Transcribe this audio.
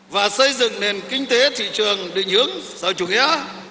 và xây dựng nền kinh tế thị trường định hướng sau chủ nghĩa